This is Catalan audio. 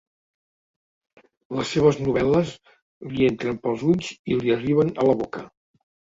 Les seves novel·les li entren pels ulls i li arriben a la boca.